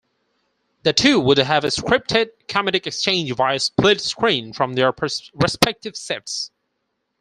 The two would have a scripted comedic exchange via split-screen from their respective sets.